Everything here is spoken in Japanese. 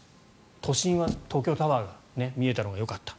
都心は東京タワーが見えたのがよかった。